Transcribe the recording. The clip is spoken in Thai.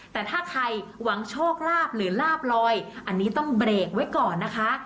แต่ถ้าใครหวังโชคลาภหรือลาบลอยอันนี้ต้องเบรกไว้ก่อนนะคะ